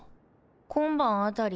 今晩あたり